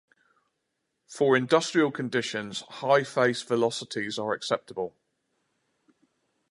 For industrial conditions, high face velocities are acceptable.